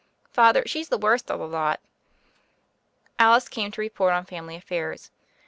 "Father, she's the worst of the lot." Alice came to report on family affairs.